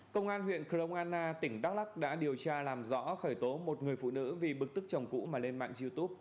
công an huyện krong anna tỉnh đắk lắc đã điều tra làm rõ khởi tố một người phụ nữ vì bực tức chồng cũ mà lên mạng youtube